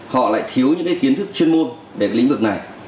họ lại thiếu những cái kiến thức chuyên môn về lĩnh vực này